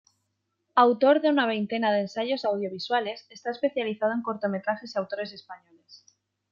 Autor de una veintena de ensayos audiovisuales, está especializado en cortometrajes y autores españoles.